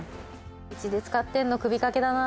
うちで使ってるの首掛けだな。